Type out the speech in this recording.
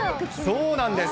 そうなんです。